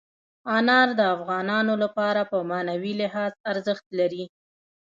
انار د افغانانو لپاره په معنوي لحاظ ارزښت لري.